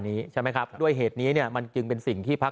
นี้ใช่ไหมครับด้วยเหตุนี้เนี่ยมันจึงเป็นสิ่งที่พัก